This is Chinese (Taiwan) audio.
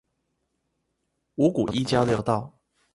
五股一交流道